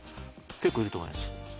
結構いると思います。